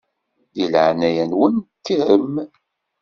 Di leɛnaya-nwen kkrem.